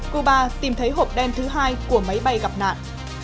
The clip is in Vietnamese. cuba tìm thấy hộp đen thứ hai của máy bay gặp nạn